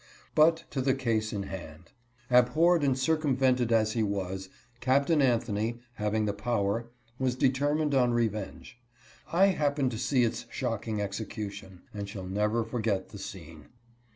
But to the case in hand. Abhorred and circumvented as he was, Captain Anthony, having the power, was de termined on revenge. I happened to see its shocking exe cution, and shall never ferget the scene.